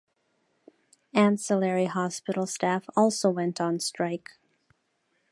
Ancillary hospital staff also went on strike.